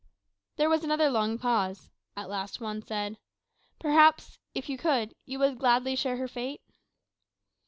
There was another long pause. At last Juan said, "Perhaps, if you could, you would gladly share her fate?"